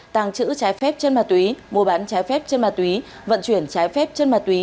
tàng trữ trái phép chân ma túy mua bán trái phép chân ma túy vận chuyển trái phép chân ma túy